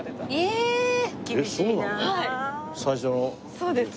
そうです。